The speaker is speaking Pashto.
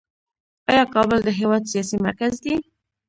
آیا کابل د هیواد سیاسي مرکز دی؟